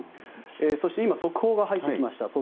そして今、速報が入ってきました。